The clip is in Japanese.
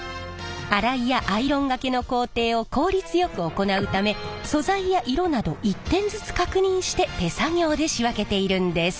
洗いやアイロンがけの工程を効率よく行うため素材や色など１点ずつ確認して手作業で仕分けているんです。